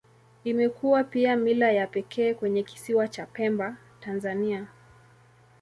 Imekuwa pia mila ya pekee kwenye Kisiwa cha Pemba, Tanzania.